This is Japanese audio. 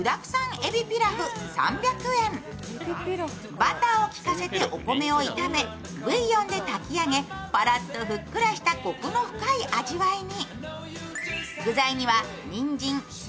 バターをきかせてお米を炒め、ブイヨンで炊き上げ、パラッとふっくらした、こくの深い味わいに。